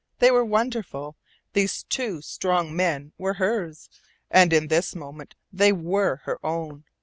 They were wonderful, these two strong men who were hers. And in this moment they WERE her own.